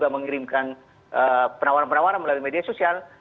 mengirimkan penawaran penawaran melalui media sosial